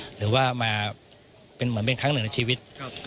หรือว่ามาเป็นเหมือนเป็นครั้งหนึ่งในชีวิต